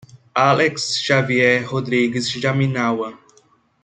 Alex Xavier Rodrigues Jaminawa